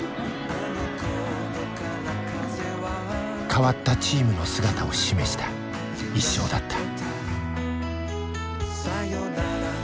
変わったチームの姿を示した１勝だった。